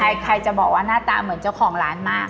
ใครจะบอกว่าหน้าตาเหมือนเจ้าของร้านมาก